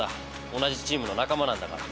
同じチームの仲間なんだから。